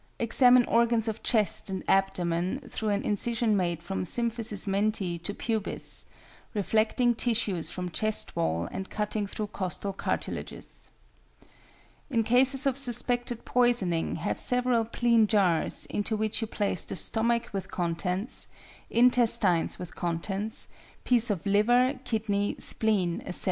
Examine organs of chest and abdomen through an incision made from symphysis menti to pubis, reflecting tissues from chest wall and cutting through costal cartilages. In cases of suspected poisoning have several clean jars into which you place the stomach with contents, intestines with contents, piece of liver, kidney, spleen, etc.